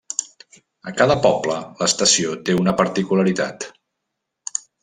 A cada poble l'estació té una particularitat.